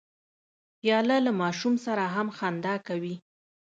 پیاله له ماشوم سره هم خندا کوي.